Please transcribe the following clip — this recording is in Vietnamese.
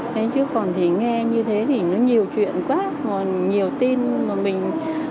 thế chứ còn thì nghe như thế thì nó nhiều chuyện quá còn nhiều tin mà mình